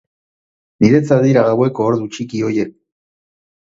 Niretzat dira gaueko ordu txiki horiek.